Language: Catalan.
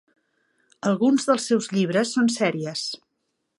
Alguns dels seus llibres són sèries.